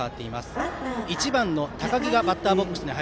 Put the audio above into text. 明豊は１番の高木がバッターボックス。